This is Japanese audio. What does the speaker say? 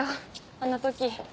あの時。